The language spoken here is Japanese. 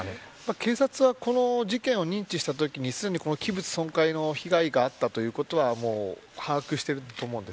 警察はこの事件を認知したときにすでに器物損壊の被害があったということは把握していると思うんです。